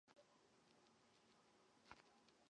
虎尾垄语之语音经过一连串的音变及合并过程。